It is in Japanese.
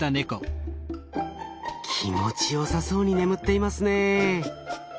気持ちよさそうに眠っていますね。